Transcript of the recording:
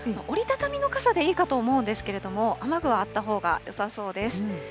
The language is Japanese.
折り畳みの傘でいいかと思うんですけれども、雨具はあったほうがよさそうです。